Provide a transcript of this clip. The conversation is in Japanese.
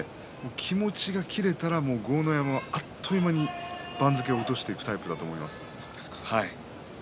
気持ちが切れたら豪ノ山、あっという間に番付を落としていくタイプです。